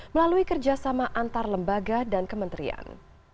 melalui kerjasama antar lembaga dan kementerian